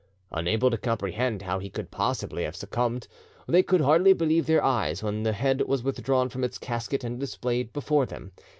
Unable to comprehend how he could possibly have succumbed, they could hardly believe their eyes when the head was withdrawn from its casket and displayed before them.